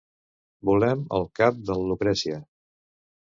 Volem el cap de la Lucrècia.